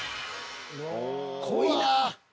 濃いなぁ。